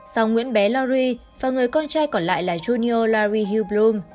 song nguyễn bé larry và người con trai còn lại là junior larry hillblum